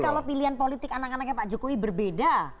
tapi kalau pilihan politik anak anaknya pak jokowi berbeda